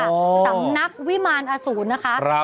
สำนักวิมารอสูรนะคะ